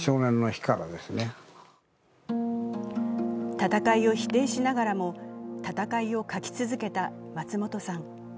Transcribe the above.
戦いを否定しながらも、戦いを描き続けた松本さん。